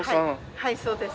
はいそうです。